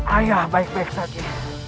ayah baik baik saja